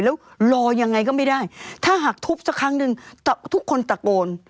แล้วรอยังไงก็ไม่ได้ถ้าหากทุบสักครั้งหนึ่งทุกคนตะโกน